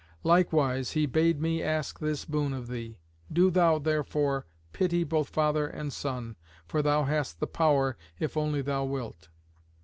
Likewise he bade me ask this boon of thee. Do thou therefore pity both father and son, for thou hast the power, if only thou wilt.